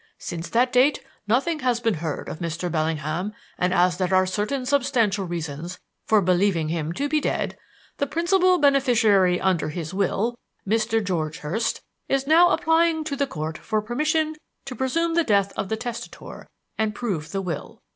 Since that date nothing has been heard of Mr. Bellingham, and, as there are certain substantial reasons for believing him to be dead, the principal beneficiary under his will, Mr. George Hurst, is now applying to the Court for permission to presume the death of the testator and prove the will.